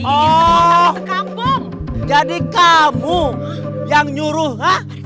oh kamu jadi kamu yang nyuruh